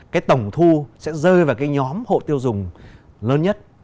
cái tổng thu sẽ rơi vào cái nhóm hộ tiêu dùng lớn nhất